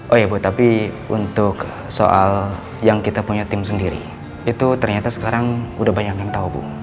oh ya bu tapi untuk soal yang kita punya tim sendiri itu ternyata sekarang udah banyak yang tahu bu